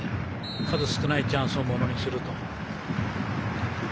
数少ないチャンスをものにする。